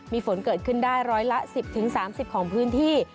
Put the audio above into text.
มีฝนเกิดขึ้นได้ร้อยละ๑๐๓๐องศาเซียสของพื้นที่